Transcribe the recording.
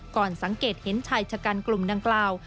ก่อนสังเกตเห็นชายชะกันกลุ่มดังกล่าว